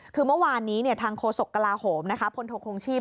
คือเมื่อวานนี้ทางโฆษกกลาโหมพลโทคงชีพ